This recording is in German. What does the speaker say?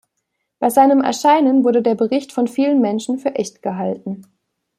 Bei seinem Erscheinen wurde der Bericht von vielen Menschen für echt gehalten.